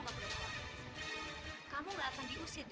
saya akan mencari korek itu